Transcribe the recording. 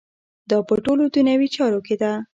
دا په ټولو دنیوي چارو کې ده.